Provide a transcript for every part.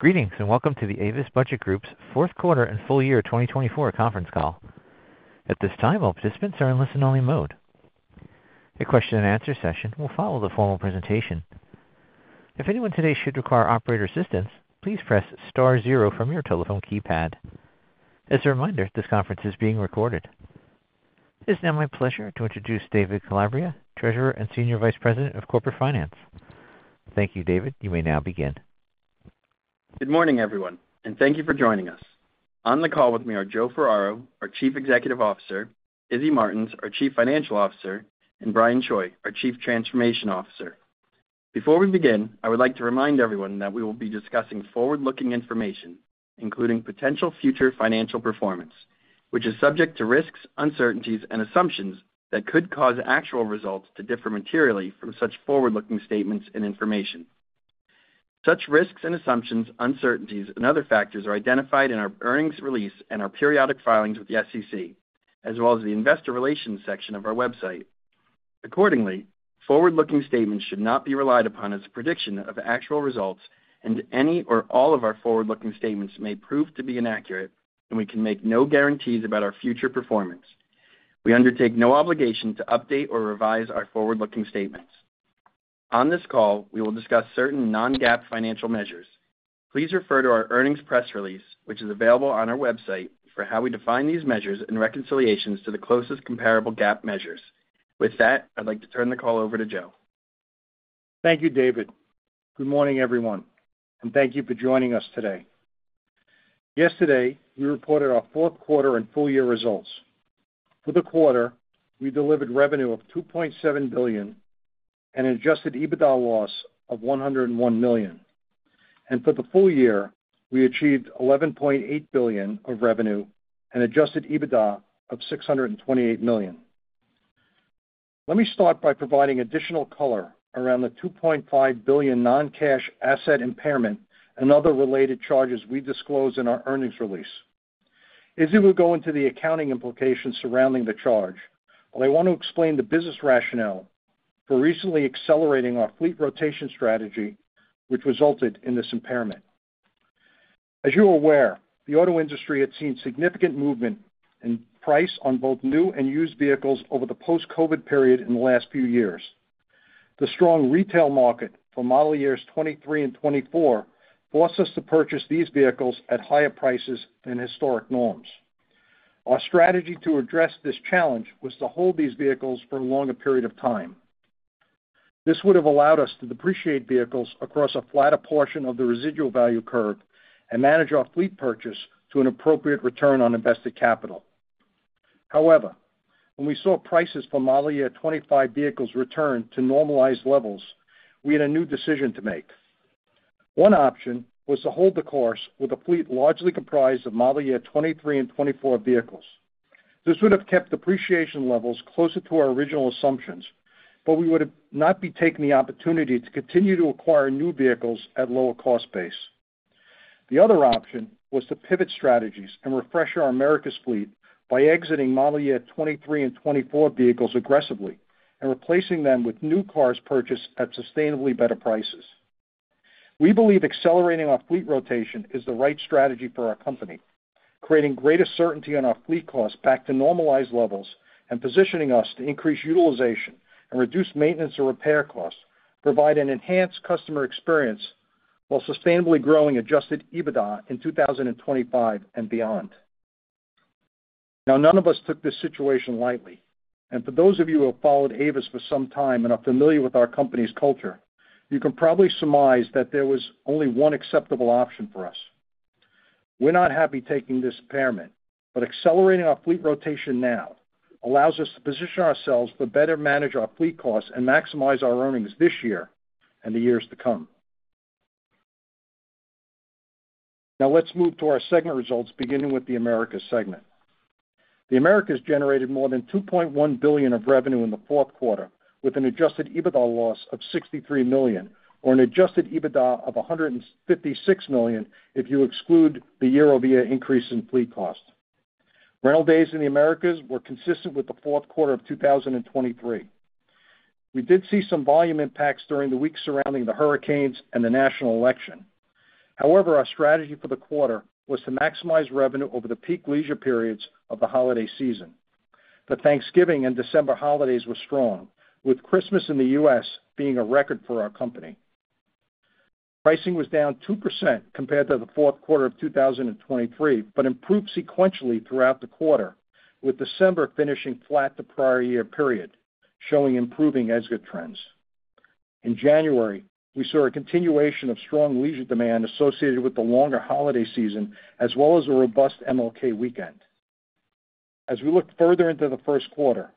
Greetings and welcome to the Avis Budget Group's fourth quarter and full year 2024 conference call. At this time, all participants are in listen-only mode. A question-and-answer session will follow the formal presentation. If anyone today should require operator assistance, please press star zero from your telephone keypad. As a reminder, this conference is being recorded. It is now my pleasure to introduce David Calabria, Treasurer and Senior Vice President of Corporate Finance. Thank you, David. You may now begin. Good morning, everyone, and thank you for joining us. On the call with me are Joe Ferraro, our Chief Executive Officer, Izzy Martins, our Chief Financial Officer, and Brian Choi, our Chief Transformation Officer. Before we begin, I would like to remind everyone that we will be discussing forward-looking information, including potential future financial performance, which is subject to risks, uncertainties, and assumptions that could cause actual results to differ materially from such forward-looking statements and information. Such risks and assumptions, uncertainties, and other factors are identified in our earnings release and our periodic filings with the SEC, as well as the investor relations section of our website. Accordingly, forward-looking statements should not be relied upon as a prediction of actual results, and any or all of our forward-looking statements may prove to be inaccurate, and we can make no guarantees about our future performance. We undertake no obligation to update or revise our forward-looking statements. On this call, we will discuss certain non-GAAP financial measures. Please refer to our earnings press release, which is available on our website, for how we define these measures and reconciliations to the closest comparable GAAP measures. With that, I'd like to turn the call over to Joe. Thank you, David. Good morning, everyone, and thank you for joining us today. Yesterday, we reported our fourth quarter and full year results. For the quarter, we delivered revenue of $2.7 billion and an Adjusted EBITDA loss of $101 million, and for the full year, we achieved $11.8 billion of revenue and an Adjusted EBITDA of $628 million. Let me start by providing additional color around the $2.5 billion non-cash asset impairment and other related charges we disclose in our earnings release. Izzy will go into the accounting implications surrounding the charge, but I want to explain the business rationale for recently accelerating our fleet rotation strategy, which resulted in this impairment. As you're aware, the auto industry had seen significant movement in price on both new and used vehicles over the post-COVID period in the last few years. The strong retail market for model years 2023 and 2024 forced us to purchase these vehicles at higher prices than historic norms. Our strategy to address this challenge was to hold these vehicles for a longer period of time. This would have allowed us to depreciate vehicles across a flatter portion of the residual value curve and manage our fleet purchase to an appropriate return on invested capital. However, when we saw prices for model year 2025 vehicles return to normalized levels, we had a new decision to make. One option was to hold the course with a fleet largely comprised of model year 2023 and 2024 vehicles. This would have kept depreciation levels closer to our original assumptions, but we would not be taking the opportunity to continue to acquire new vehicles at a lower cost base. The other option was to pivot strategies and refresh our Americas fleet by exiting model year 2023 and 2024 vehicles aggressively and replacing them with new cars purchased at sustainably better prices. We believe accelerating our fleet rotation is the right strategy for our company, creating greater certainty on our fleet costs back to normalized levels and positioning us to increase utilization and reduce maintenance and repair costs, provide an enhanced customer experience, while sustainably growing Adjusted EBITDA in 2025 and beyond. Now, none of us took this situation lightly, and for those of you who have followed Avis for some time and are familiar with our company's culture, you can probably surmise that there was only one acceptable option for us. We're not happy taking this impairment, but accelerating our fleet rotation now allows us to position ourselves to better manage our fleet costs and maximize our earnings this year and the years to come. Now, let's move to our segment results, beginning with the Americas segment. The Americas generated more than $2.1 billion of revenue in the fourth quarter, with an adjusted EBITDA loss of $63 million, or an Adjusted EBITDA of $156 million if you exclude the year-over-year increase in fleet cost. Rental days in the Americas were consistent with the fourth quarter of 2023. We did see some volume impacts during the week surrounding the hurricanes and the national election. However, our strategy for the quarter was to maximize revenue over the peak leisure periods of the holiday season. The Thanksgiving and December holidays were strong, with Christmas in the U.S. being a record for our company. Pricing was down 2% compared to the fourth quarter of 2023, but improved sequentially throughout the quarter, with December finishing flat to prior year period, showing improving exit trends. In January, we saw a continuation of strong leisure demand associated with the longer holiday season, as well as a robust MLK weekend. As we look further into the first quarter,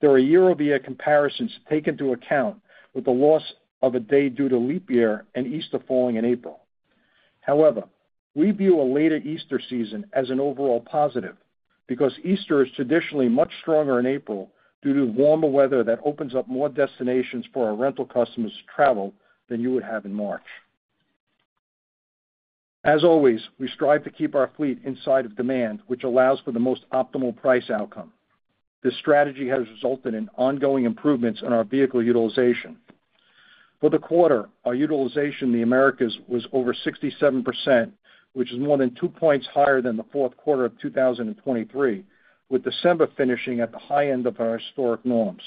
there are year-over-year comparisons to take into account with the loss of a day due to leap year and Easter falling in April. However, we view a later Easter season as an overall positive because Easter is traditionally much stronger in April due to warmer weather that opens up more destinations for our rental customers to travel than you would have in March. As always, we strive to keep our fleet inside of demand, which allows for the most optimal price outcome. This strategy has resulted in ongoing improvements in our vehicle utilization. For the quarter, our utilization in the Americas was over 67%, which is more than two points higher than the fourth quarter of 2023, with December finishing at the high end of our historic norms.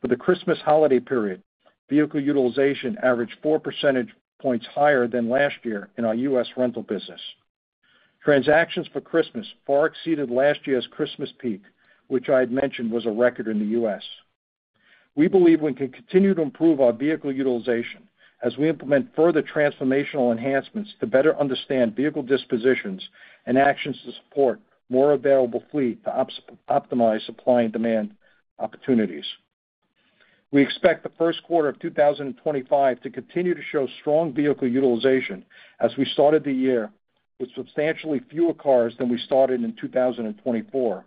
For the Christmas holiday period, vehicle utilization averaged four percentage points higher than last year in our U.S. rental business. Transactions for Christmas far exceeded last year's Christmas peak, which I had mentioned was a record in the U.S. We believe we can continue to improve our vehicle utilization as we implement further transformational enhancements to better understand vehicle dispositions and actions to support more available fleet to optimize supply and demand opportunities. We expect the first quarter of 2025 to continue to show strong vehicle utilization as we started the year with substantially fewer cars than we started in 2024,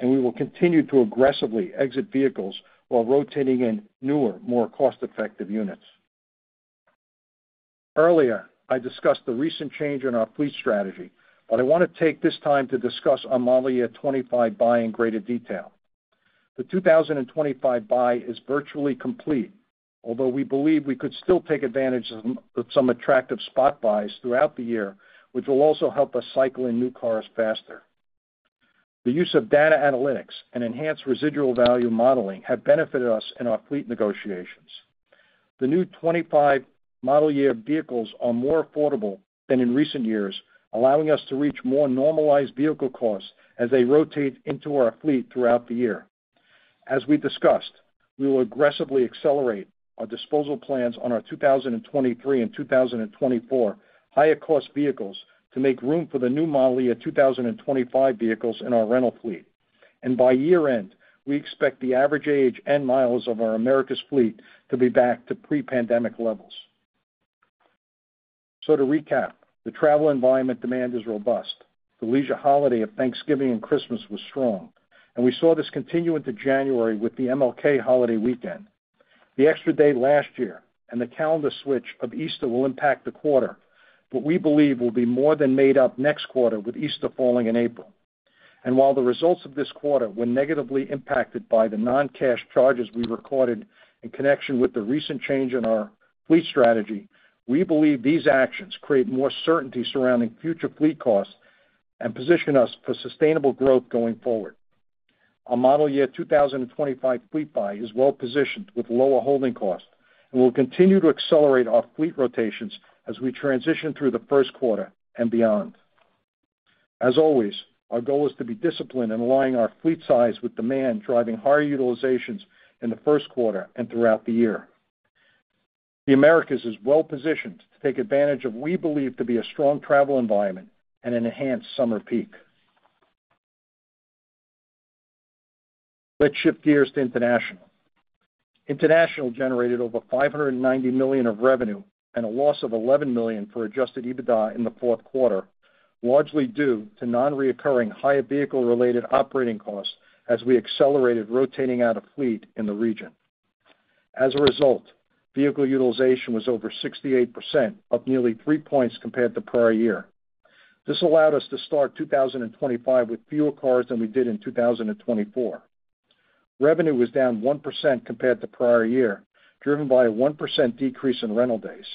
and we will continue to aggressively exit vehicles while rotating in newer, more cost-effective units. Earlier, I discussed the recent change in our fleet strategy, but I want to take this time to discuss our model year '25 buy in greater detail. The 2025 buy is virtually complete, although we believe we could still take advantage of some attractive spot buys throughout the year, which will also help us cycle in new cars faster. The use of data analytics and enhanced residual value modeling have benefited us in our fleet negotiations. The new '25 model year vehicles are more affordable than in recent years, allowing us to reach more normalized vehicle costs as they rotate into our fleet throughout the year. As we discussed, we will aggressively accelerate our disposal plans on our 2023 and 2024 higher-cost vehicles to make room for the new model year 2025 vehicles in our rental fleet. And by year-end, we expect the average age and miles of our Americas fleet to be back to pre-pandemic levels. So to recap, the travel environment demand is robust. The leisure holiday of Thanksgiving and Christmas was strong, and we saw this continue into January with the MLK holiday weekend. The extra day last year and the calendar switch of Easter will impact the quarter, but we believe will be more than made up next quarter with Easter falling in April. While the results of this quarter were negatively impacted by the non-cash charges we recorded in connection with the recent change in our fleet strategy, we believe these actions create more certainty surrounding future fleet costs and position us for sustainable growth going forward. Our model year 2025 fleet buy is well positioned with lower holding costs and will continue to accelerate our fleet rotations as we transition through the first quarter and beyond. As always, our goal is to be disciplined in aligning our fleet size with demand driving higher utilizations in the first quarter and throughout the year. The Americas is well positioned to take advantage of what we believe to be a strong travel environment and an enhanced summer peak. Let's shift gears to international. International generated over $590 million of revenue and a loss of -$11 million for Adjusted EBITDA in the fourth quarter, largely due to non-recurring higher vehicle-related operating costs as we accelerated rotating out of fleet in the region. As a result, vehicle utilization was over 68%, up nearly three points compared to prior year. This allowed us to start 2025 with fewer cars than we did in 2024. Revenue was down 1% compared to prior year, driven by a 1% decrease in rental days.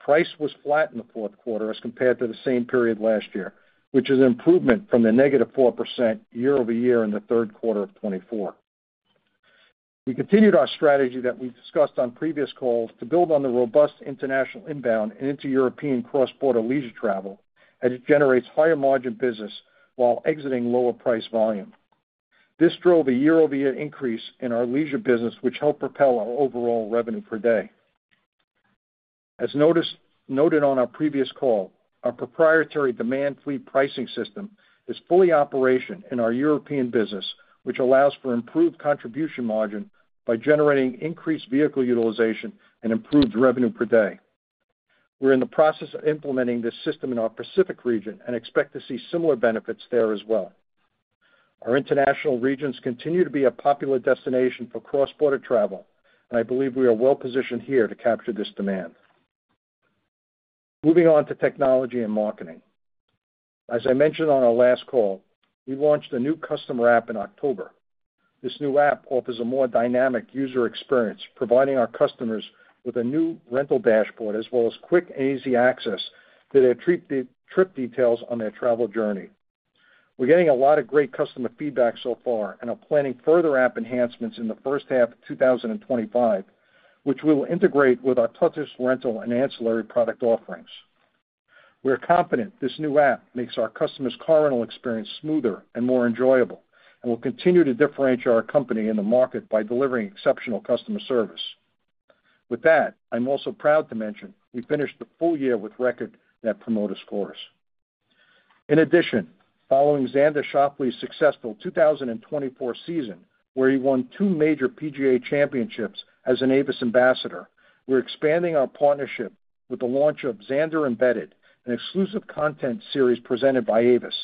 Price was flat in the fourth quarter as compared to the same period last year, which is an improvement from the negative 4% year-over-year in the third quarter of 2024. We continued our strategy that we discussed on previous calls to build on the robust international inbound and inter-European cross-border leisure travel as it generates higher margin business while exiting lower price volume. This drove a year-over-year increase in our leisure business, which helped propel our overall revenue per day. As noted on our previous call, our proprietary Demand Fleet Pricing system is fully operational in our European business, which allows for improved contribution margin by generating increased vehicle utilization and improved revenue per day. We're in the process of implementing this system in our Pacific region and expect to see similar benefits there as well. Our international regions continue to be a popular destination for cross-border travel, and I believe we are well positioned here to capture this demand. Moving on to technology and marketing. As I mentioned on our last call, we launched a new customer app in October. This new app offers a more dynamic user experience, providing our customers with a new rental dashboard as well as quick and easy access to their trip details on their travel journey. We're getting a lot of great customer feedback so far and are planning further app enhancements in the first half of 2025, which we will integrate with our touchless rental and ancillary product offerings. We're confident this new app makes our customers' car rental experience smoother and more enjoyable and will continue to differentiate our company in the market by delivering exceptional customer service. With that, I'm also proud to mention we finished the full year with record Net Promoter Scores. In addition, following Xander Schauffele's successful 2024 season, where he won two major PGA Championships as an Avis Ambassador, we're expanding our partnership with the launch of Xander Embedded, an exclusive content series presented by Avis.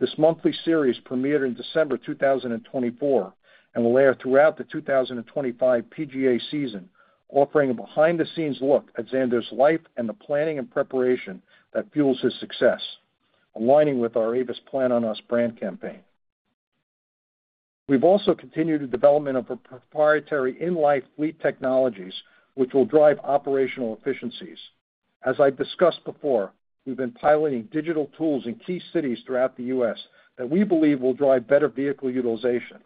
This monthly series premiered in December 2024 and will air throughout the 2025 PGA season, offering a behind-the-scenes look at Xander's life and the planning and preparation that fuels his success, aligning with our Avis Plan on Us brand campaign. We've also continued the development of proprietary in-life fleet technologies, which will drive operational efficiencies. As I've discussed before, we've been piloting digital tools in key cities throughout the U.S. that we believe will drive better vehicle utilization.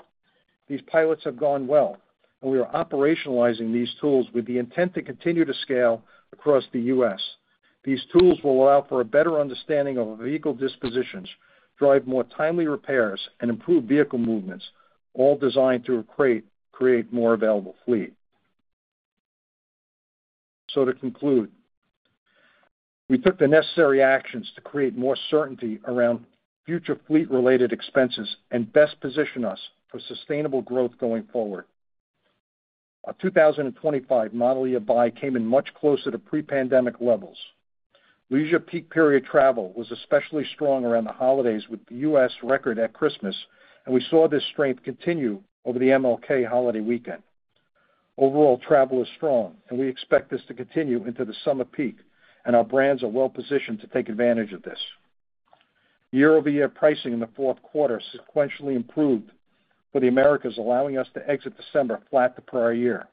These pilots have gone well, and we are operationalizing these tools with the intent to continue to scale across the U.S. These tools will allow for a better understanding of vehicle dispositions, drive more timely repairs, and improve vehicle movements, all designed to create more available fleet. So to conclude, we took the necessary actions to create more certainty around future fleet-related expenses and best position us for sustainable growth going forward. Our 2025 model year buy came in much closer to pre-pandemic levels. Leisure peak period travel was especially strong around the holidays with the U.S. record at Christmas, and we saw this strength continue over the MLK holiday weekend. Overall travel is strong, and we expect this to continue into the summer peak, and our brands are well positioned to take advantage of this. Year-over-year pricing in the fourth quarter sequentially improved for the Americas, allowing us to exit December flat to prior year.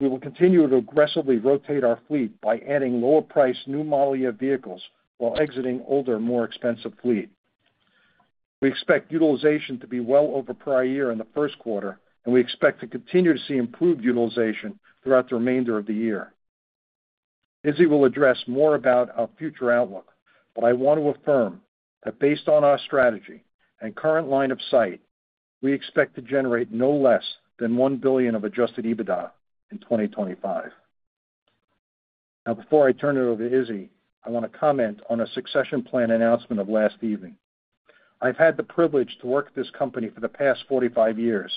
We will continue to aggressively rotate our fleet by adding lower-priced new model year vehicles while exiting older, more expensive fleet. We expect utilization to be well over prior year in the first quarter, and we expect to continue to see improved utilization throughout the remainder of the year. Izzy will address more about our future outlook, but I want to affirm that based on our strategy and current line of sight, we expect to generate no less than $1 billion of Adjusted EBITDA in 2025. Now, before I turn it over to Izzy, I want to comment on a succession plan announcement of last evening. I've had the privilege to work at this company for the past 45 years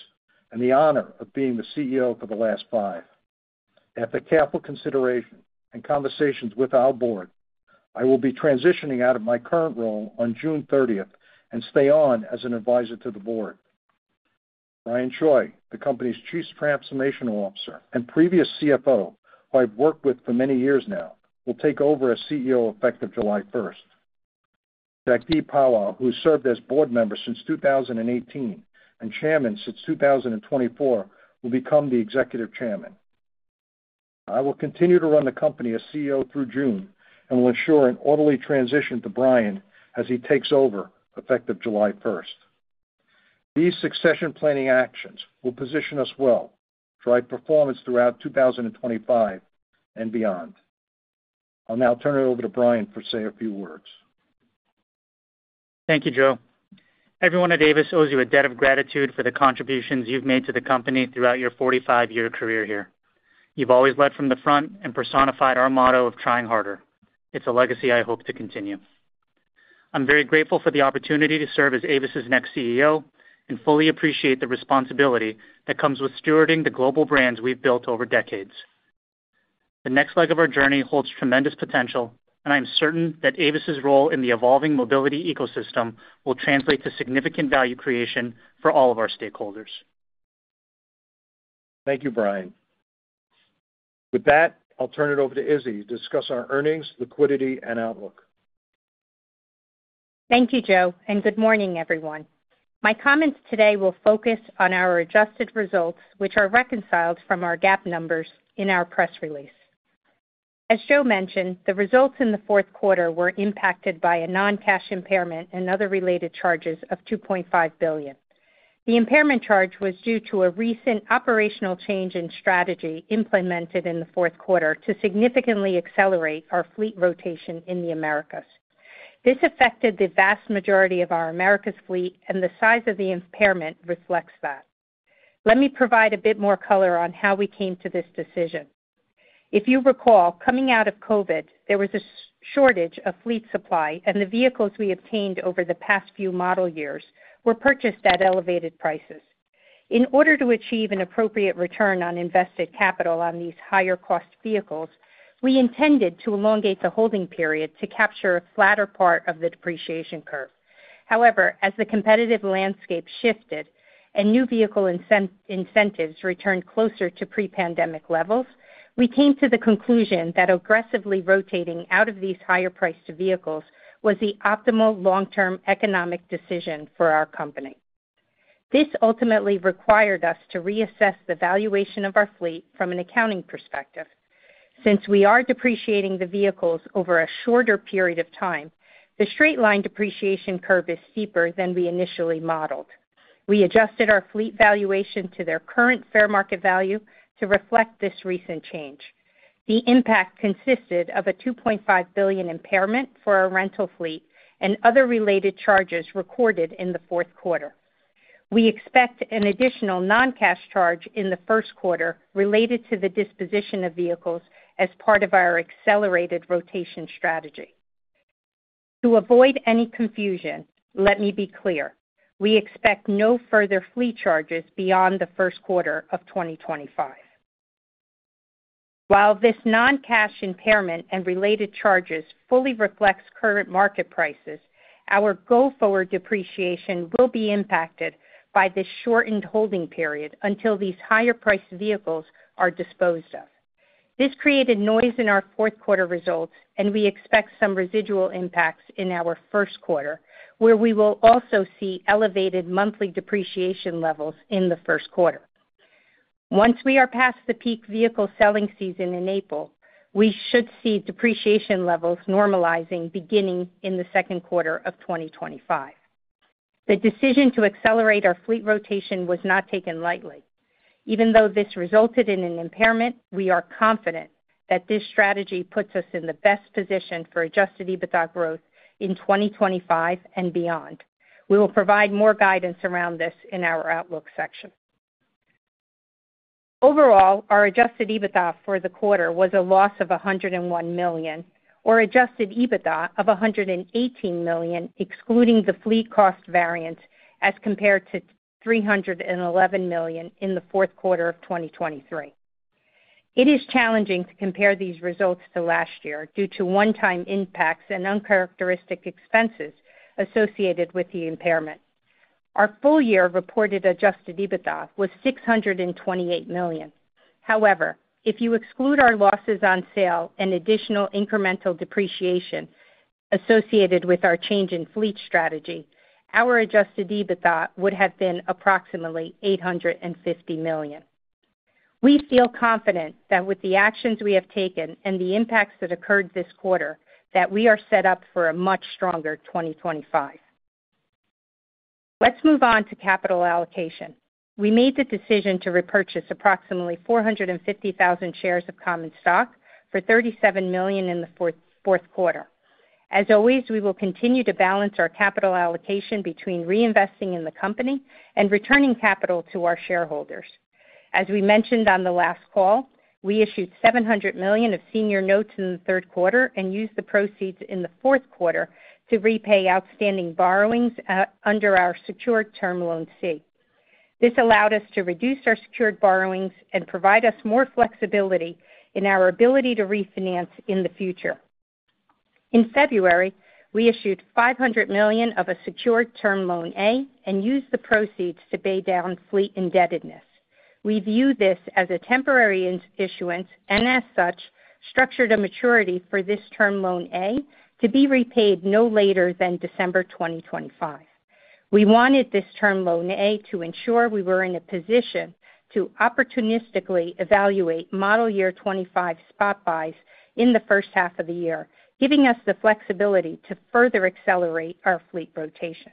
and the honor of being the CEO for the last five. After careful consideration and conversations with our board, I will be transitioning out of my current role on June 30th and stay on as an advisor to the board. Brian Choi, the company's Chief Transformation Officer and previous CFO, who I've worked with for many years now, will take over as CEO effective July 1st. Jagdeep Pahwa, who served as board member since 2018 and chairman since 2024, will become the Executive Chairman. I will continue to run the company as CEO through June and will ensure an orderly transition to Brian as he takes over effective July 1st. These succession planning actions will position us well, drive performance throughout 2025 and beyond. I'll now turn it over to Brian for a few words. Thank you, Joe. Everyone at Avis owes you a debt of gratitude for the contributions you've made to the company throughout your 45-year career here. You've always led from the front and personified our motto of trying harder. It's a legacy I hope to continue. I'm very grateful for the opportunity to serve as Avis's next CEO and fully appreciate the responsibility that comes with stewarding the global brands we've built over decades. The next leg of our journey holds tremendous potential, and I'm certain that Avis's role in the evolving mobility ecosystem will translate to significant value creation for all of our stakeholders. Thank you, Brian. With that, I'll turn it over to Izzy to discuss our earnings, liquidity, and outlook. Thank you, Joe, and good morning, everyone. My comments today will focus on our adjusted results, which are reconciled from our GAAP numbers in our press release. As Joe mentioned, the results in the fourth quarter were impacted by a non-cash impairment and other related charges of $2.5 billion. The impairment charge was due to a recent operational change in strategy implemented in the fourth quarter to significantly accelerate our fleet rotation in the Americas. This affected the vast majority of our Americas fleet, and the size of the impairment reflects that. Let me provide a bit more color on how we came to this decision. If you recall, coming out of COVID, there was a shortage of fleet supply, and the vehicles we obtained over the past few model years were purchased at elevated prices. In order to achieve an appropriate return on invested capital on these higher-cost vehicles, we intended to elongate the holding period to capture a flatter part of the depreciation curve. However, as the competitive landscape shifted and new vehicle incentives returned closer to pre-pandemic levels, we came to the conclusion that aggressively rotating out of these higher-priced vehicles was the optimal long-term economic decision for our company. This ultimately required us to reassess the valuation of our fleet from an accounting perspective. Since we are depreciating the vehicles over a shorter period of time, the straight-line depreciation curve is steeper than we initially modeled. We adjusted our fleet valuation to their current fair market value to reflect this recent change. The impact consisted of a $2.5 billion impairment for our rental fleet and other related charges recorded in the fourth quarter. We expect an additional non-cash charge in the first quarter related to the disposition of vehicles as part of our accelerated rotation strategy. To avoid any confusion, let me be clear. We expect no further fleet charges beyond the first quarter of 2025. While this non-cash impairment and related charges fully reflects current market prices, our go-forward depreciation will be impacted by this shortened holding period until these higher-priced vehicles are disposed of. This created noise in our fourth quarter results, and we expect some residual impacts in our first quarter, where we will also see elevated monthly depreciation levels in the first quarter. Once we are past the peak vehicle selling season in April, we should see depreciation levels normalizing beginning in the second quarter of 2025. The decision to accelerate our fleet rotation was not taken lightly. Even though this resulted in an impairment, we are confident that this strategy puts us in the best position for Adjusted EBITDA growth in 2025 and beyond. We will provide more guidance around this in our outlook section. Overall, our Adjusted EBITDA for the quarter was a loss of $101 million, or Adjusted EBITDA of $118 million, excluding the fleet cost variance as compared to $311 million in the fourth quarter of 2023. It is challenging to compare these results to last year due to one-time impacts and uncharacteristic expenses associated with the impairment. Our full-year reported Adjusted EBITDA was $628 million. However, if you exclude our losses on sale and additional incremental depreciation associated with our change in fleet strategy, our adjusted EBITDA would have been approximately $850 million. We feel confident that with the actions we have taken and the impacts that occurred this quarter, we are set up for a much stronger 2025. Let's move on to capital allocation. We made the decision to repurchase approximately 450,000 shares of common stock for $37 million in the fourth quarter. As always, we will continue to balance our capital allocation between reinvesting in the company and returning capital to our shareholders. As we mentioned on the last call, we issued $700 million of senior notes in the third quarter and used the proceeds in the fourth quarter to repay outstanding borrowings under our secured Term Loan C. This allowed us to reduce our secured borrowings and provide us more flexibility in our ability to refinance in the future. In February, we issued $500 million of a secured Term Loan A and used the proceeds to pay down fleet indebtedness. We view this as a temporary issuance and, as such, structured a maturity for this Term Loan A to be repaid no later than December 2025. We wanted this Term Loan A to ensure we were in a position to opportunistically evaluate model year '25 spot buys in the first half of the year, giving us the flexibility to further accelerate our fleet rotation.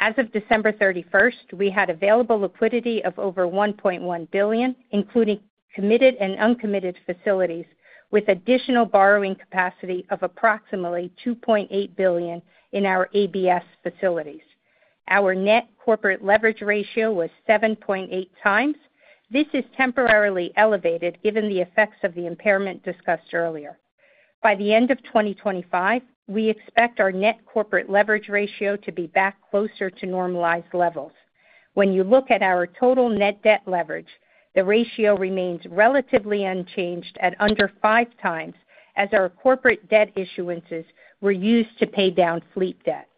As of December 31st, we had available liquidity of over $1.1 billion, including committed and uncommitted facilities, with additional borrowing capacity of approximately $2.8 billion in our ABS facilities. Our net corporate leverage ratio was 7.8x. This is temporarily elevated given the effects of the impairment discussed earlier. By the end of 2025, we expect our net corporate leverage ratio to be back closer to normalized levels. When you look at our total net debt leverage, the ratio remains relatively unchanged at under five times as our corporate debt issuances were used to pay down fleet debt.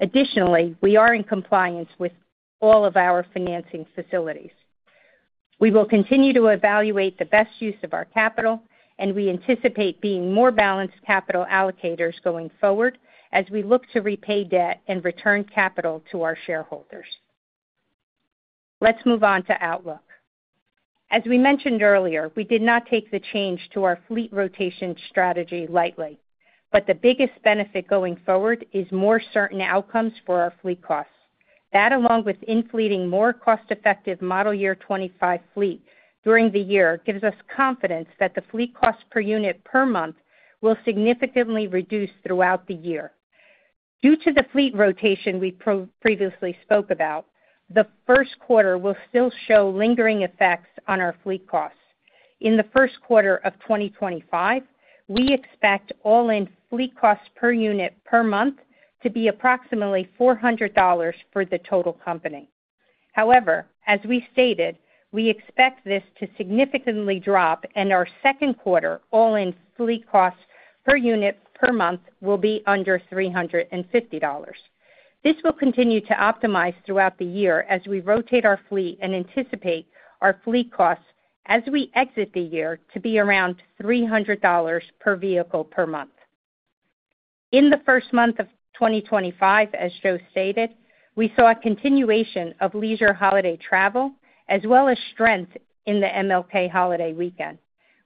Additionally, we are in compliance with all of our financing facilities. We will continue to evaluate the best use of our capital, and we anticipate being more balanced capital allocators going forward as we look to repay debt and return capital to our shareholders. Let's move on to outlook. As we mentioned earlier, we did not take the change to our fleet rotation strategy lightly, but the biggest benefit going forward is more certain outcomes for our fleet costs. That, along with infleeting more cost-effective model year '25 fleet during the year, gives us confidence that the fleet cost per unit per month will significantly reduce throughout the year. Due to the fleet rotation we previously spoke about, the first quarter will still show lingering effects on our fleet costs. In the first quarter of 2025, we expect all-in fleet costs per unit per month to be approximately $400 for the total company. However, as we stated, we expect this to significantly drop, and our second quarter all-in fleet costs per unit per month will be under $350. This will continue to optimize throughout the year as we rotate our fleet and anticipate our fleet costs as we exit the year to be around $300 per vehicle per month. In the first month of 2025, as Joe stated, we saw a continuation of leisure holiday travel as well as strength in the MLK holiday weekend.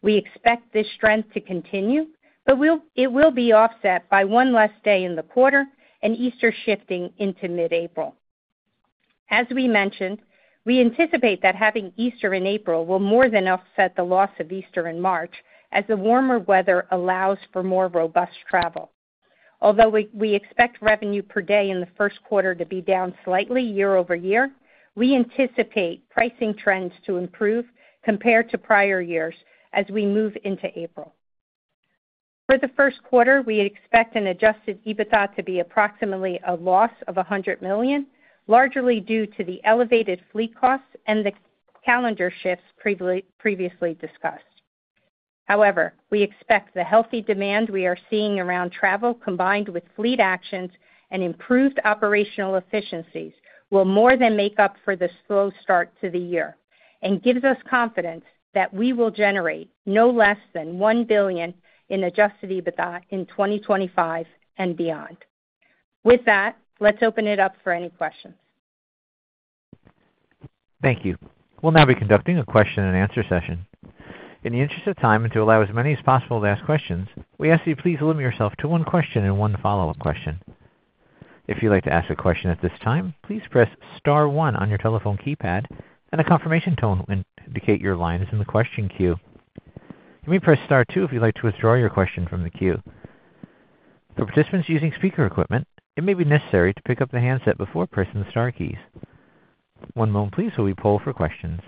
We expect this strength to continue, but it will be offset by one less day in the quarter and Easter shifting into mid-April. As we mentioned, we anticipate that having Easter in April will more than offset the loss of Easter in March as the warmer weather allows for more robust travel. Although we expect revenue per day in the first quarter to be down slightly year over year, we anticipate pricing trends to improve compared to prior years as we move into April. For the first quarter, we expect an Adjusted EBITDA to be approximately a loss of $100 million, largely due to the elevated fleet costs and the calendar shifts previously discussed. However, we expect the healthy demand we are seeing around travel, combined with fleet actions and improved operational efficiencies, will more than make up for the slow start to the year and gives us confidence that we will generate no less than $1 billion in Adjusted EBITDA in 2025 and beyond. With that, let's open it up for any questions. Thank you. We'll now be conducting a question-and-answer session. In the interest of time and to allow as many as possible to ask questions, we ask that you please limit yourself to one question and one follow-up question. If you'd like to ask a question at this time, please press star one on your telephone keypad, and a confirmation tone will indicate your line is in the question queue. You may press star two if you'd like to withdraw your question from the queue. For participants using speaker equipment, it may be necessary to pick up the handset before pressing the star keys. One moment, please, while we poll for questions.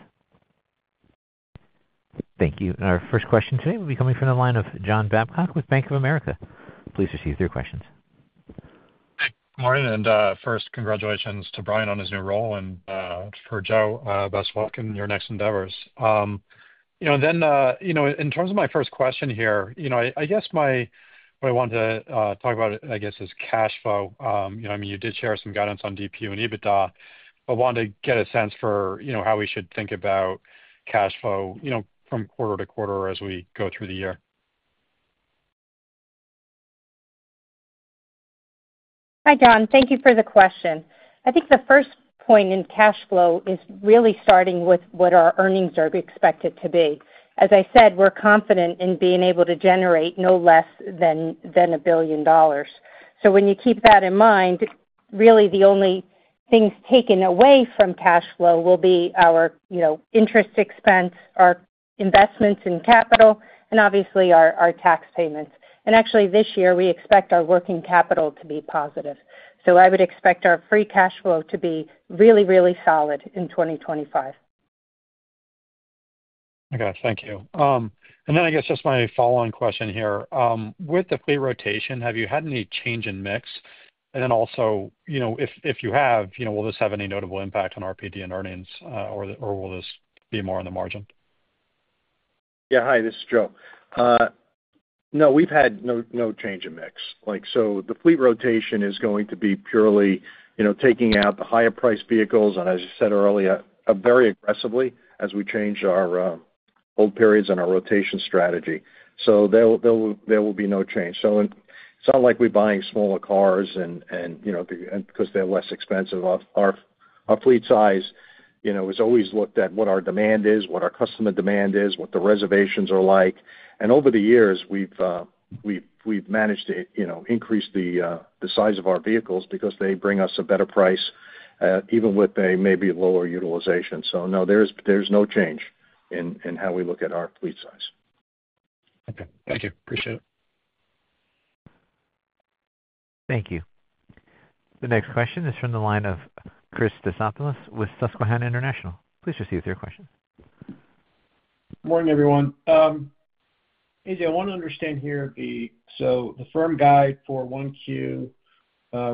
Thank you. And our first question today will be coming from the line of John Babcock with Bank of America. Please proceed with your questions. Hey, good morning, and first, congratulations to Brian on his new role, and for Joe, best of luck in your next endeavors. And then in terms of my first question here, I guess what I wanted to talk about, I guess, is cash flow. I mean, you did share some guidance on DPU and EBITDA, but wanted to get a sense for how we should think about cash flow from quarter to quarter as we go through the year. Hi, John. Thank you for the question. I think the first point in cash flow is really starting with what our earnings are expected to be. As I said, we're confident in being able to generate no less than $1 billion. So when you keep that in mind, really, the only things taken away from cash flow will be our interest expense, our investments in capital, and obviously our tax payments. And actually, this year, we expect our working capital to be positive. So I would expect our free cash flow to be really, really solid in 2025. Okay. Thank you. And then I guess just my follow-on question here. With the fleet rotation, have you had any change in mix? And then also, if you have, will this have any notable impact on RPD and earnings, or will this be more on the margin? Yeah. Hi, this is Joe. No, we've had no change in mix. So the fleet rotation is going to be purely taking out the higher-priced vehicles, and as you said earlier, very aggressively as we change our hold periods and our rotation strategy. So there will be no change. So it's not like we're buying smaller cars because they're less expensive. Our fleet size is always looked at what our demand is, what our customer demand is, what the reservations are like. And over the years, we've managed to increase the size of our vehicles because they bring us a better price, even with a maybe lower utilization. So no, there's no change in how we look at our fleet size. Okay. Thank you. Appreciate it. Thank you. The next question is from the line of Chris Stathoulopoulos with Susquehanna International Group. Please proceed with your question. Good morning, everyone. Hey, Joe. I want to understand here the. So the firm's guide for 1Q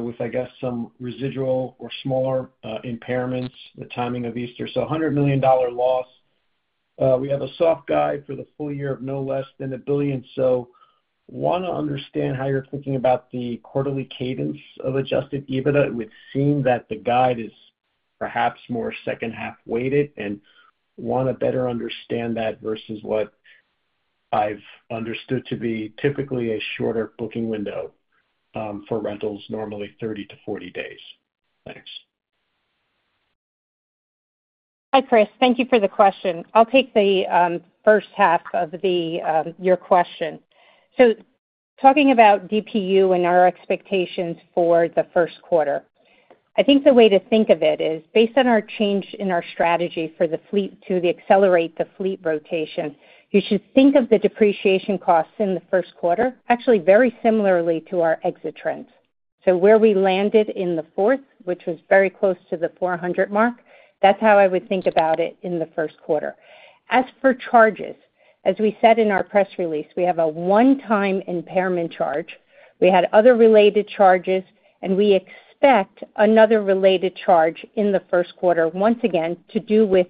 with, I guess, some residual or smaller impairments, the timing of Easter. So $100 million loss. We have a soft guide for the full year of no less than $1 billion. So want to understand how you're thinking about the quarterly cadence of Adjusted EBITDA. We've seen that the guide is perhaps more second-half weighted, and want to better understand that versus what I've understood to be typically a shorter booking window for rentals, normally 30-40 days. Thanks. Hi, Chris. Thank you for the question. I'll take the first half of your question. So talking about DPU and our expectations for the first quarter, I think the way to think of it is based on our change in our strategy for the fleet to accelerate the fleet rotation. You should think of the depreciation costs in the first quarter actually very similarly to our exit trends. So where we landed in the fourth, which was very close to the $400 mark, that's how I would think about it in the first quarter. As for charges, as we said in our press release, we have a one-time impairment charge. We had other related charges, and we expect another related charge in the first quarter, once again, to do with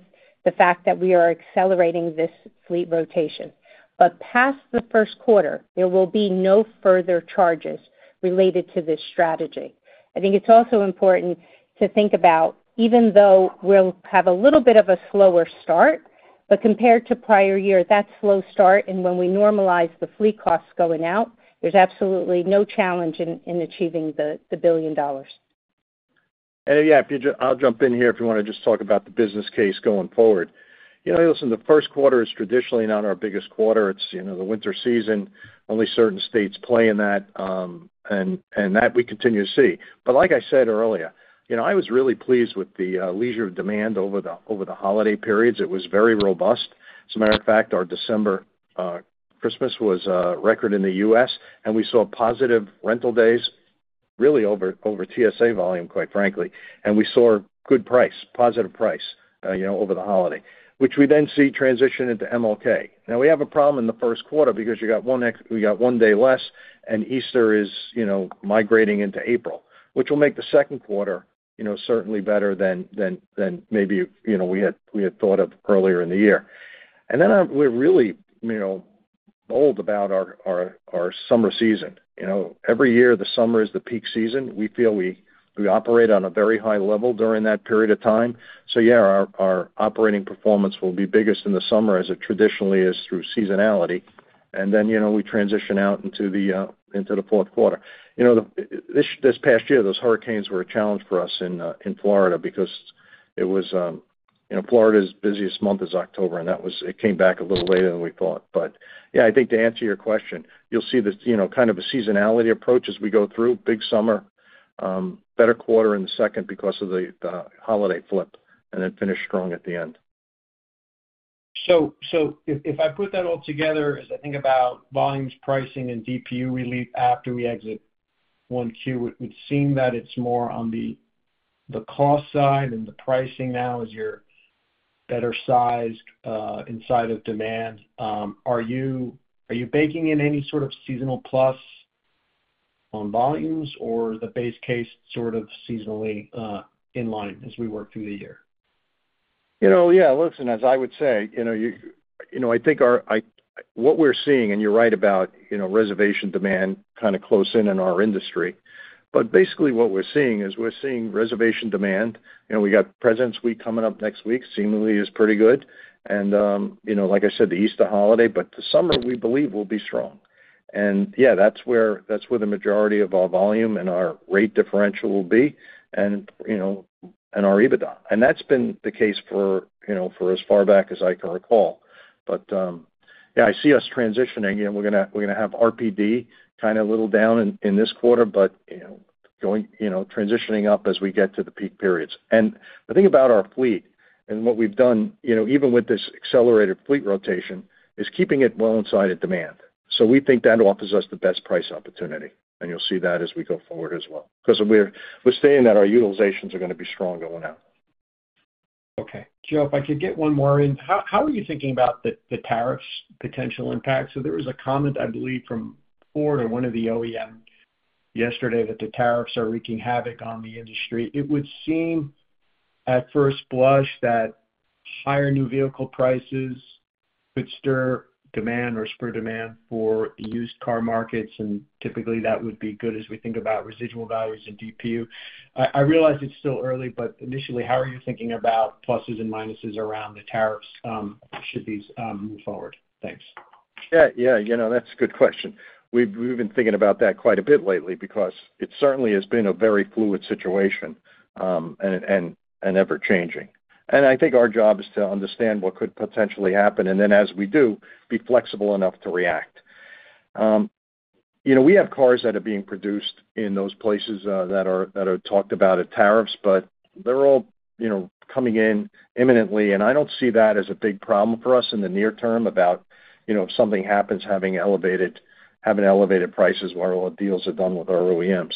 the fact that we are accelerating this fleet rotation. But past the first quarter, there will be no further charges related to this strategy. I think it's also important to think about, even though we'll have a little bit of a slower start, but compared to prior year, that slow start, and when we normalize the fleet costs going out, there's absolutely no challenge in achieving $1 billion. And yeah, I'll jump in here if you want to just talk about the business case going forward. Listen, the first quarter is traditionally not our biggest quarter. It's the winter season. Only certain states play in that, and that we continue to see. But like I said earlier, I was really pleased with the leisure demand over the holiday periods. It was very robust. As a matter of fact, our December Christmas was a record in the U.S., and we saw positive rental days, really over TSA volume, quite frankly. We saw good price, positive price over the holiday, which we then see transition into MLK. Now, we have a problem in the first quarter because you got one day less, and Easter is migrating into April, which will make the second quarter certainly better than maybe we had thought of earlier in the year. We're really bold about our summer season. Every year, the summer is the peak season. We feel we operate on a very high level during that period of time. Yeah, our operating performance will be biggest in the summer as it traditionally is through seasonality. We transition out into the fourth quarter. This past year, those hurricanes were a challenge for us in Florida because Florida's busiest month is October, and it came back a little later than we thought. But yeah, I think to answer your question, you'll see kind of a seasonality approach as we go through, big summer, better quarter in the second because of the holiday flip, and then finish strong at the end. So if I put that all together, as I think about volumes, pricing, and DPU relief after we exit Q1, it would seem that it's more on the cost side and the pricing now as you're better sized inside of demand. Are you baking in any sort of seasonal plus on volumes or the base case sort of seasonally in line as we work through the year? Yeah. Listen, as I would say, I think what we're seeing, and you're right about reservation demand kind of close in in our industry. But basically, what we're seeing is we're seeing reservation demand. We got Presidents' Week coming up next week. Seemingly, it's pretty good, and like I said, the Easter holiday, but the summer, we believe, will be strong. And yeah, that's where the majority of our volume and our rate differential will be and our EBITDA. And that's been the case for as far back as I can recall. But yeah, I see us transitioning. We're going to have RPD kind of a little down in this quarter, but transitioning up as we get to the peak periods. And the thing about our fleet and what we've done, even with this accelerated fleet rotation, is keeping it well inside of demand. So we think that offers us the best price opportunity. And you'll see that as we go forward as well because we're staying at our utilizations are going to be strong going out. Okay. Joe, if I could get one more in, how are you thinking about the tariffs' potential impact? So there was a comment, I believe, from Ford or one of the OEMs yesterday that the tariffs are wreaking havoc on the industry. It would seem at first blush that higher new vehicle prices could stir demand or spur demand for used car markets. And typically, that would be good as we think about residual values and DPU. I realize it's still early, but initially, how are you thinking about pluses and minuses around the tariffs should these move forward? Thanks. Yeah. Yeah. That's a good question. We've been thinking about that quite a bit lately because it certainly has been a very fluid situation and ever-changing. And I think our job is to understand what could potentially happen and then, as we do, be flexible enough to react. We have cars that are being produced in those places that are talked about at tariffs, but they're all coming in imminently. I don't see that as a big problem for us in the near term about if something happens, having elevated prices while deals are done with our OEMs.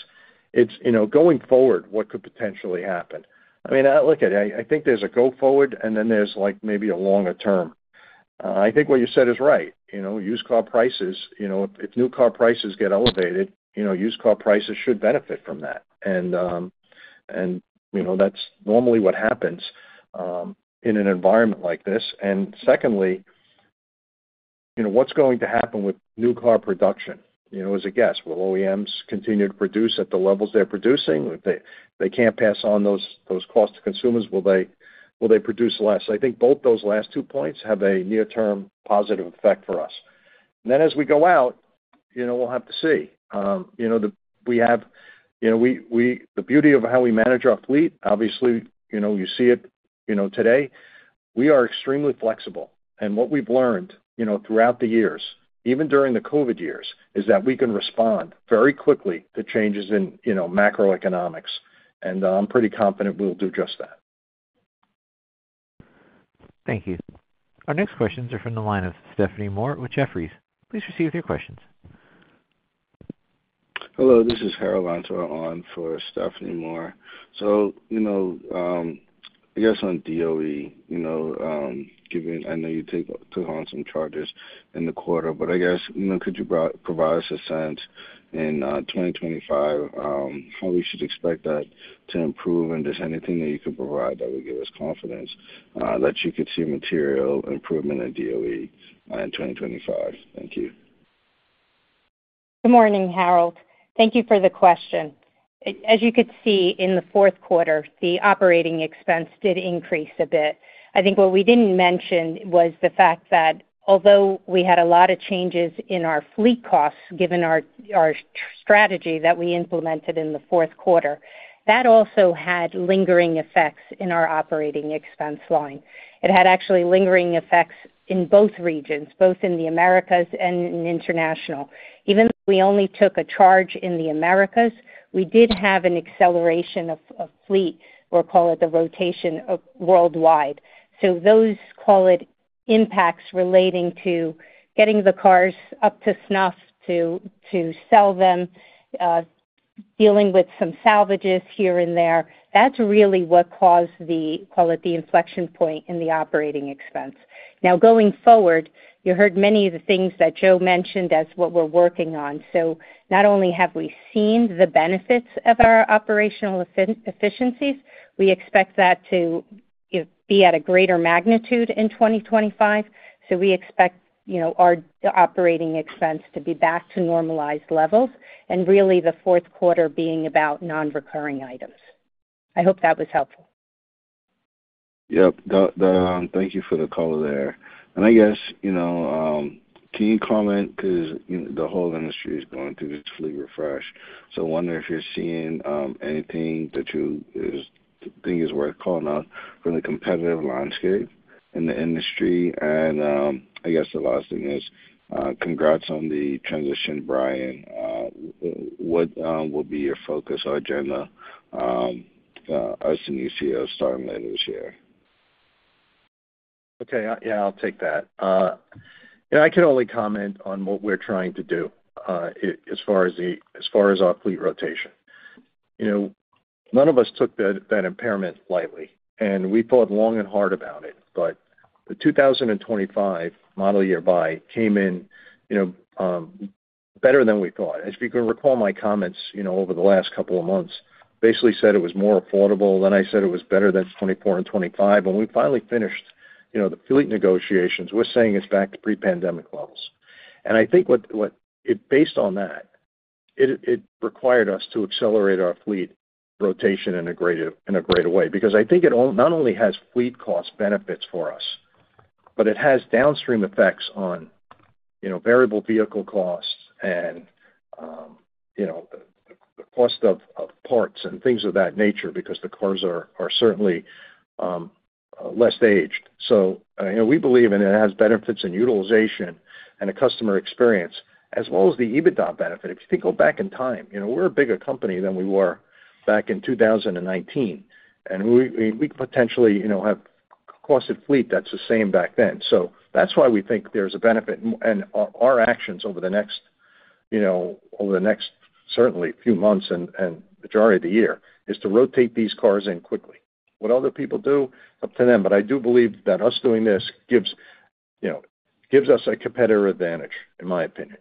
It's going forward, what could potentially happen? I mean, look at it. I think there's a go-forward, and then there's maybe a longer term. I think what you said is right. Used car prices, if new car prices get elevated, used car prices should benefit from that. That's normally what happens in an environment like this. Secondly, what's going to happen with new car production? As a guess, will OEMs continue to produce at the levels they're producing? If they can't pass on those costs to consumers, will they produce less? I think both those last two points have a near-term positive effect for us, and then as we go out, we'll have to see. We have the beauty of how we manage our fleet. Obviously, you see it today. We are extremely flexible, and what we've learned throughout the years, even during the COVID years, is that we can respond very quickly to changes in macroeconomics, and I'm pretty confident we'll do just that. Thank you. Our next questions are from the line of Stephanie Moore with Jefferies. Please proceed with your questions. Hello. This is Harold Antor on for Stephanie Moore, so I guess on DOE, given I know you took on some charges in the quarter, but I guess could you provide us a sense in 2025 how we should expect that to improve? Is there anything that you could provide that would give us confidence that you could see material improvement at DOE in 2025? Thank you. Good morning, Harold. Thank you for the question. As you could see in the fourth quarter, the operating expense did increase a bit. I think what we didn't mention was the fact that although we had a lot of changes in our fleet costs, given our strategy that we implemented in the fourth quarter, that also had lingering effects in our operating expense line. It had actually lingering effects in both regions, both in the Americas and in International. Even though we only took a charge in the Americas, we did have an acceleration of fleet, or call it the rotation, worldwide. So those call it impacts relating to getting the cars up to snuff to sell them, dealing with some salvages here and there. That's really what caused, call it, the inflection point in the operating expense. Now, going forward, you heard many of the things that Joe mentioned as what we're working on. So not only have we seen the benefits of our operational efficiencies, we expect that to be at a greater magnitude in 2025. So we expect our operating expense to be back to normalized levels, and really the fourth quarter being about non-recurring items. I hope that was helpful. Yep. Thank you for the question there. And I guess can you comment because the whole industry is going through this fleet refresh? So I wonder if you're seeing anything that you think is worth calling out from the competitive landscape in the industry. And I guess the last thing is congrats on the transition, Brian. What will be your focus or agenda as a CEO starting later this year? Okay. Yeah. I'll take that. I can only comment on what we're trying to do as far as our fleet rotation. None of us took that impairment lightly, and we thought long and hard about it, but the 2025 model year buy came in better than we thought. As you can recall, my comments over the last couple of months basically said it was more affordable, then I said it was better than 2024 and 2025. When we finally finished the fleet negotiations, we're saying it's back to pre-pandemic levels, and I think based on that, it required us to accelerate our fleet rotation in a greater way because I think it not only has fleet cost benefits for us, but it has downstream effects on variable vehicle costs and the cost of parts and things of that nature because the cars are certainly less aged. So we believe it has benefits in utilization and a customer experience as well as the EBITDA benefit. If you think back in time, we're a bigger company than we were back in 2019. And we potentially have cost of fleet that's the same back then. So that's why we think there's a benefit. And our actions over the next certainly few months and majority of the year is to rotate these cars in quickly. What other people do, up to them. But I do believe that us doing this gives us a competitive advantage, in my opinion.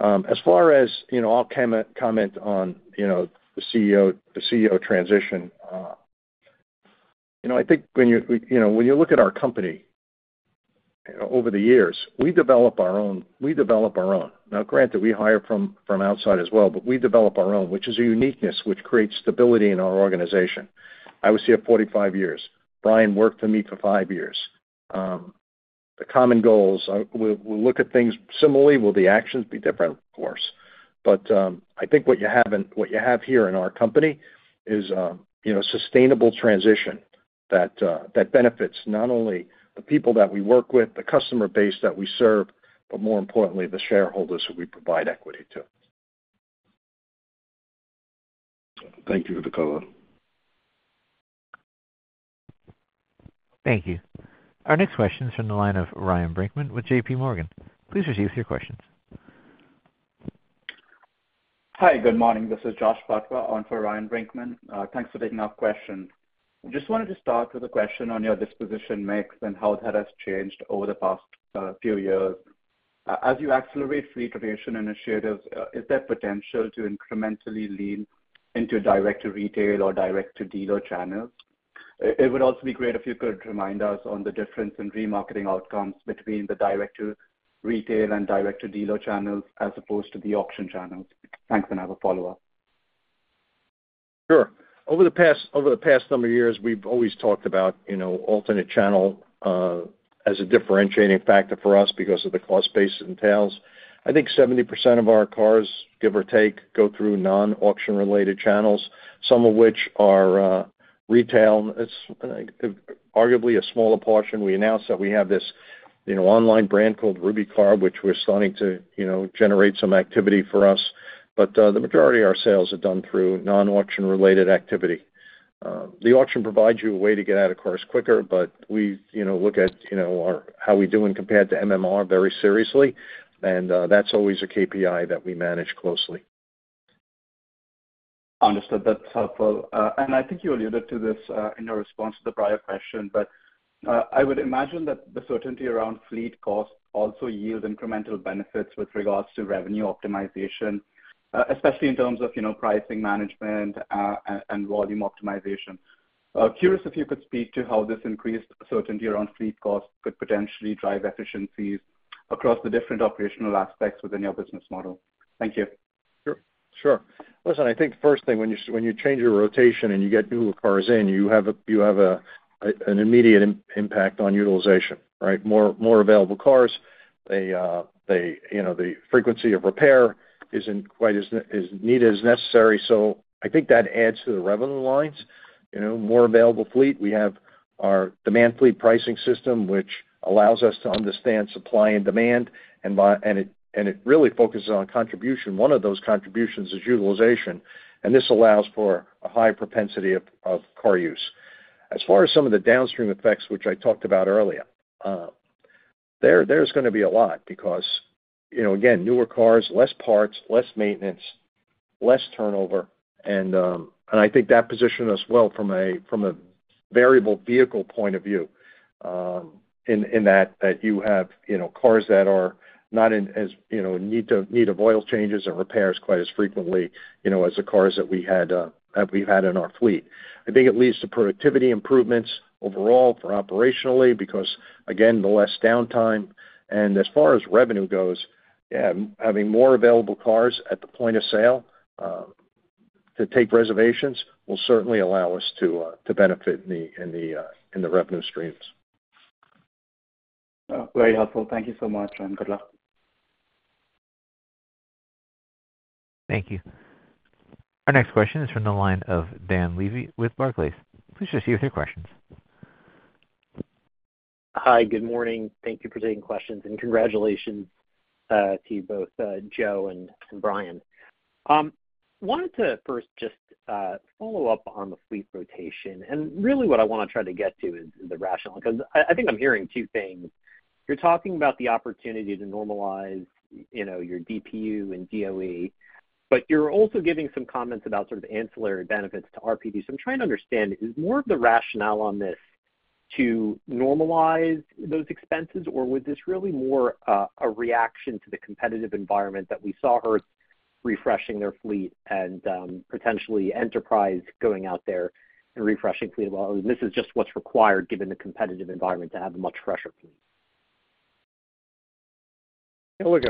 As far as I'll comment on the CEO transition, I think when you look at our company over the years, we develop our own. Now, granted, we hire from outside as well, but we develop our own, which is a uniqueness which creates stability in our organization. I was here 45 years. Brian worked for me for five years. The common goals, we'll look at things similarly. Will the actions be different? Of course. But I think what you have here in our company is a sustainable transition that benefits not only the people that we work with, the customer base that we serve, but more importantly, the shareholders who we provide equity to. Thank you for the call. Thank you. Our next question is from the line of Ryan Brinkman with JPMorgan. Please go ahead with your question. Hi. Good morning. This is Josh Buchalter for Ryan Brinkman. Thanks for taking our question. I just wanted to start with a question on your disposition mix and how that has changed over the past few years. As you accelerate fleet rotation initiatives, is there potential to incrementally lean into direct-to-retail or direct-to-dealer channels? It would also be great if you could remind us on the difference in remarketing outcomes between the direct-to-retail and direct-to-dealer channels as opposed to the auction channels. Thanks. And I have a follow-up. Sure. Over the past several years, we've always talked about alternate channel as a differentiating factor for us because of the cost base it entails. I think 70% of our cars, give or take, go through non-auction-related channels, some of which are retail. It's arguably a smaller portion. We announced that we have this online brand called RubyCar, which we're starting to generate some activity for us. But the majority of our sales are done through non-auction-related activity. The auction provides you a way to get out of cars quicker, but we look at how we do compared to MMR very seriously. And that's always a KPI that we manage closely. Understood. That's helpful. And I think you alluded to this in your response to the prior question, but I would imagine that the certainty around fleet costs also yield incremental benefits with regards to revenue optimization, especially in terms of pricing management and volume optimization. Curious if you could speak to how this increased certainty around fleet costs could potentially drive efficiencies across the different operational aspects within your business model? Thank you. Sure. Sure. Listen, I think the first thing when you change your rotation and you get newer cars in, you have an immediate impact on utilization, right? More available cars, the frequency of repair isn't quite as needed as necessary. So I think that adds to the revenue lines. More available fleet, we have our Demand Fleet Pricing System, which allows us to understand supply and demand. And it really focuses on contribution. One of those contributions is utilization. And this allows for a high propensity of car use. As far as some of the downstream effects, which I talked about earlier, there's going to be a lot because, again, newer cars, less parts, less maintenance, less turnover. And I think that position as well from a variable vehicle point of view in that you have cars that are not in need of oil changes and repairs quite as frequently as the cars that we had in our fleet. I think it leads to productivity improvements overall for operationally because, again, the less downtime. And as far as revenue goes, having more available cars at the point of sale to take reservations will certainly allow us to benefit in the revenue streams. Very helpful. Thank you so much, Ryan Brinkman. Thank you. Our next question is from the line of Dan Levy with Barclays. Please proceed with your questions. Hi. Good morning. Thank you for taking questions. And congratulations to you both, Joe and Brian. I wanted to first just follow up on the fleet rotation. And really what I want to try to get to is the rationale because I think I'm hearing two things. You're talking about the opportunity to normalize your DPU and DOE, but you're also giving some comments about sort of ancillary benefits to RPD. So I'm trying to understand, is more of the rationale on this to normalize those expenses, or was this really more a reaction to the competitive environment that we saw Hertz refreshing their fleet and potentially Enterprise going out there and refreshing fleet? This is just what's required given the competitive environment to have a much fresher fleet. Look,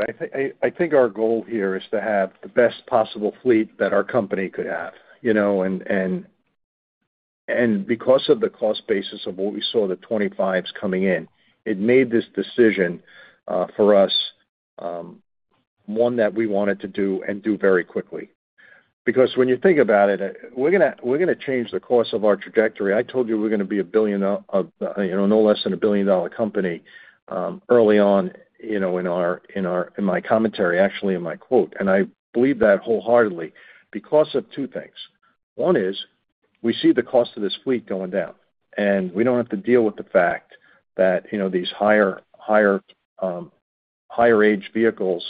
I think our goal here is to have the best possible fleet that our company could have. And because of the cost basis of what we saw, the 2025s coming in, it made this decision for us one that we wanted to do and do very quickly. Because when you think about it, we're going to change the course of our trajectory. I told you we're going to be a billion-dollar, no less than a billion-dollar company early on in my commentary, actually in my quote. And I believe that wholeheartedly because of two things. One is we see the cost of this fleet going down, and we don't have to deal with the fact that these higher age vehicles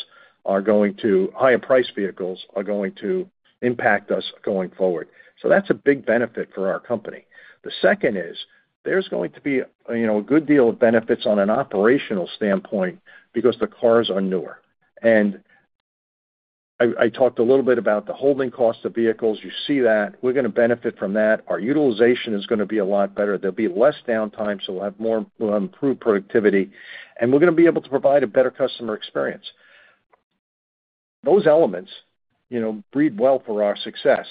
are going to higher price vehicles are going to impact us going forward. So that's a big benefit for our company. The second is there's going to be a good deal of benefits on an operational standpoint because the cars are newer. I talked a little bit about the holding cost of vehicles. You see that. We're going to benefit from that. Our utilization is going to be a lot better. There'll be less downtime, so we'll have improved productivity. We're going to be able to provide a better customer experience. Those elements breed well for our success.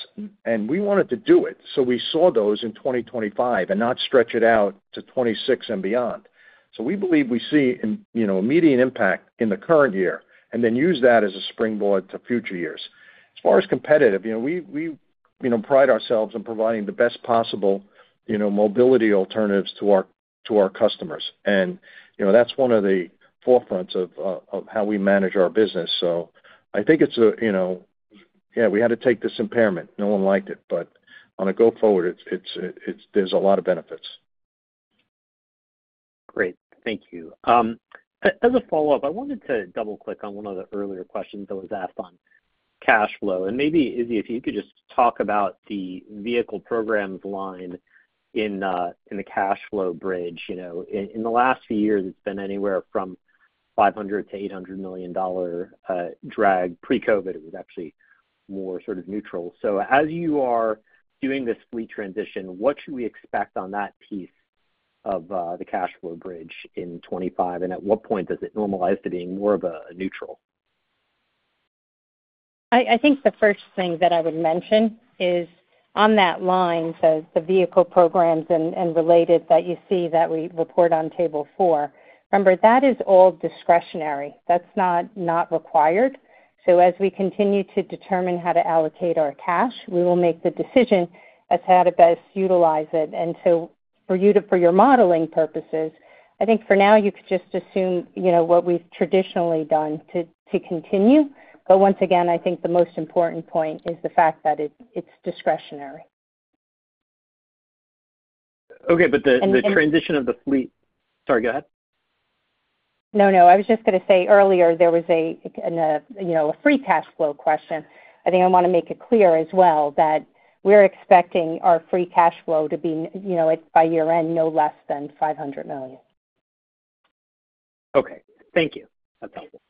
We wanted to do it. We saw those in 2025 and not stretch it out to 2026 and beyond. We believe we see a median impact in the current year and then use that as a springboard to future years. As far as competitive, we pride ourselves on providing the best possible mobility alternatives to our customers. That's one of the forefronts of how we manage our business. I think it's a, yeah, we had to take this impairment. No one liked it. But on a go-forward, there's a lot of benefits. Great. Thank you. As a follow-up, I wanted to double-click on one of the earlier questions that was asked on cash flow. And maybe, Izzy, if you could just talk about the Vehicle Programs line in the cash flow bridge. In the last few years, it's been anywhere from $500-$800 million drag. Pre-COVID, it was actually more sort of neutral. So as you are doing this fleet transition, what should we expect on that piece of the cash flow bridge in 2025? And at what point does it normalize to being more of a neutral? I think the first thing that I would mention is on that line, the Vehicle Programs and related that you see that we report on Table 4. Remember, that is all discretionary. That's not required. So as we continue to determine how to allocate our cash, we will make the decision as to how to best utilize it. And so for your modeling purposes, I think for now, you could just assume what we've traditionally done to continue. But once again, I think the most important point is the fact that it's discretionary. Okay. But the transition of the fleet sorry, go ahead. No, no. I was just going to say earlier there was a free cash flow question. I think I want to make it clear as well that we're expecting our free cash flow to be by year-end no less than $500 million. Okay. Thank you. That's helpful.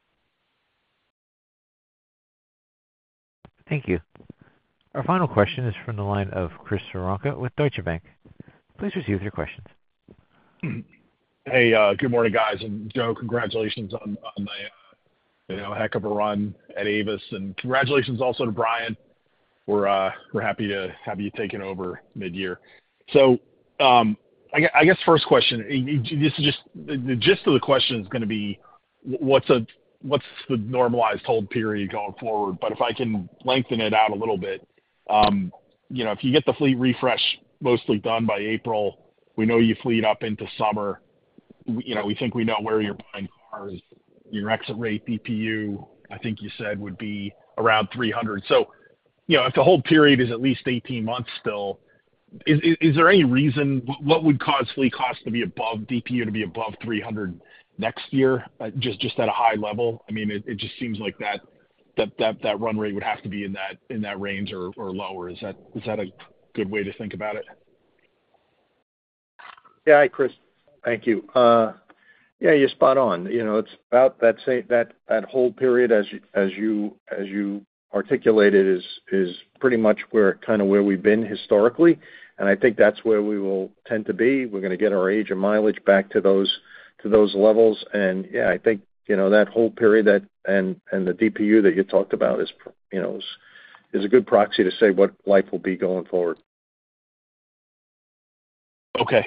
Thank you. Our final question is from the line of Chris Woronka with Deutsche Bank. Please proceed with your questions. Hey, good morning, guys. And Joe, congratulations on a heck of a run at Avis. And congratulations also to Brian. We're happy to have you taken over mid-year. So I guess first question, the gist of the question is going to be, what's the normalized hold period going forward? But if I can lengthen it out a little bit, if you get the fleet refresh mostly done by April, we know you fleet up into summer. We think we know where you're buying cars. Your exit rate DPU, I think you said, would be around $300. So if the hold period is at least 18 months still, is there any reason what would cause fleet costs to be above DPU to be above $300 next year just at a high level? I mean, it just seems like that run rate would have to be in that range or lower. Is that a good way to think about it? Yeah. Hi, Chris. Thank you. Yeah, you're spot on. It's about that hold period, as you articulated, is pretty much kind of where we've been historically. And I think that's where we will tend to be. We're going to get our age and mileage back to those levels. And yeah, I think that hold period and the DPU that you talked about is a good proxy to say what life will be going forward. Okay.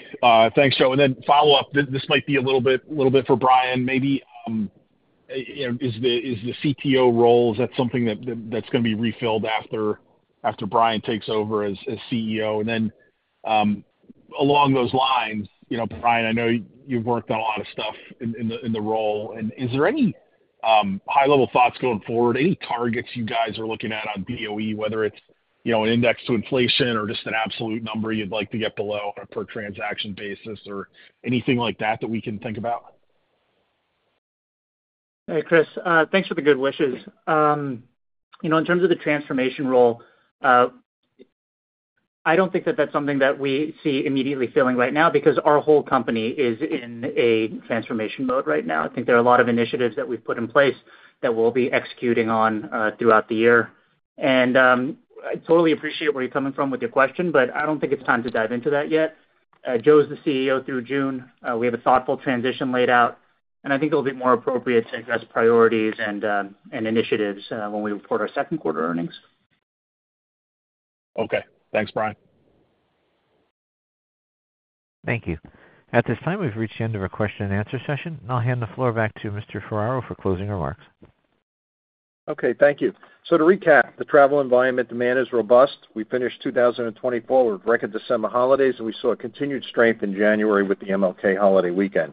Thanks, Joe. And then follow-up, this might be a little bit for Brian. Maybe is the CTO role, is that something that's going to be refilled after Brian takes over as CEO? And then along those lines, Brian, I know you've worked on a lot of stuff in the role. And is there any high-level thoughts going forward? Any targets you guys are looking at on DOE, whether it's an index to inflation or just an absolute number you'd like to get below on a per-transaction basis or anything like that that we can think about? Hey, Chris. Thanks for the good wishes. In terms of the transformation role, I don't think that that's something that we see immediately filling right now because our whole company is in a transformation mode right now. I think there are a lot of initiatives that we've put in place that we'll be executing on throughout the year, and I totally appreciate where you're coming from with your question, but I don't think it's time to dive into that yet. Joe's the CEO through June. We have a thoughtful transition laid out, and I think it'll be more appropriate to address priorities and initiatives when we report our second quarter earnings. Okay. Thanks, Brian. Thank you. At this time, we've reached the end of our question-and-answer session, and I'll hand the floor back to Mr. Ferraro for closing remarks. Okay. Thank you, so to recap, the travel environment demand is robust. We finished 2024 with record December holidays, and we saw continued strength in January with the MLK holiday weekend.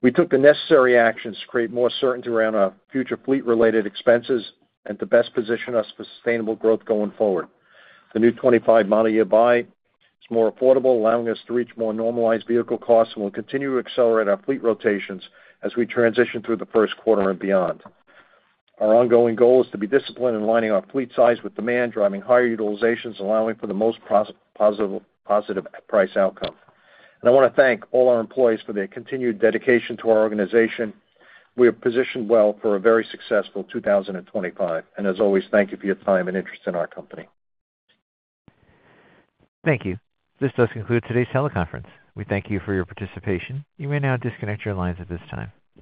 We took the necessary actions to create more certainty around our future fleet-related expenses and to best position us for sustainable growth going forward. The new '25 model year buy is more affordable, allowing us to reach more normalized vehicle costs and will continue to accelerate our fleet rotations as we transition through the first quarter and beyond. Our ongoing goal is to be disciplined in aligning our fleet size with demand, driving higher utilizations, allowing for the most positive price outcome. And I want to thank all our employees for their continued dedication to our organization. We are positioned well for a very successful 2025. And as always, thank you for your time and interest in our company. Thank you. This does conclude today's teleconference. We thank you for your participation. You may now disconnect your lines at this time.